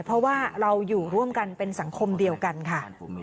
เพราะว่าเราอยู่ร่วมกันเป็นสังคมเดียวกันค่ะ